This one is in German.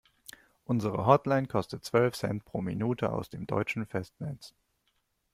Unsere Hotline kostet zwölf Cent pro Minute aus dem deutschen Festnetz.